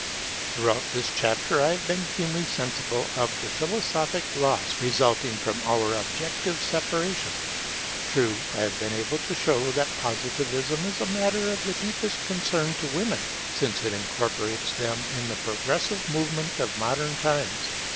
Throughout this chapter I have been keenly sensible of the philosophic loss resulting from our objective separation. True, I have been able to show that Positivism is a matter of the deepest concern to women, since it incorporates them in the progressive movement of modern times.